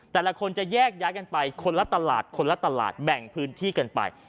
แต่ละคนจะแยกย้ายกันไปคนละตลาดคนละตลาดแบ่งพื้นที่กันไป